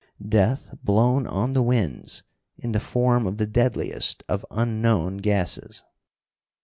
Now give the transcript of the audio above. Death blown on the winds, in the form of the deadliest of unknown gases.